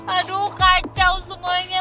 aduh kacau semuanya